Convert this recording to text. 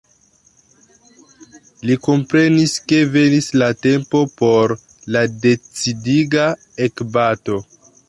Li komprenis, ke venis la tempo por la decidiga ekbato.